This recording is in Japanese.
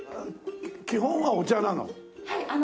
基本はお茶なの？